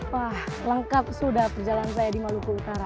wah lengkap sudah perjalanan saya di maluku utara